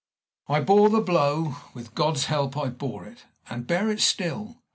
I bore the blow with God's help I bore it, and bear it still.